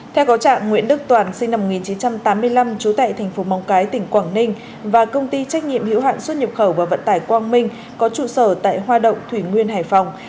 theo có trạng nguyễn đức toàn sinh năm một nghìn chín trăm tám mươi năm trú tại thành phố mong cái tỉnh quảng ninh và công ty trách nhiệm hữu hạn xuất nhập khẩu và vận tải quang minh có trụ sở tại hoa động thủy nguyên hải phòng